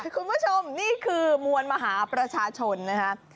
คุณผู้ชมนี่คือมวลมหาประชาชนนะครับ